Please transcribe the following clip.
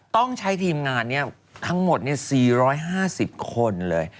ต้องใช้ทีมงานทั้งหมด๔๕๐คนเลย